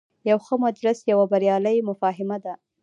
یو ښه مجلس یوه بریالۍ مفاهمه ده.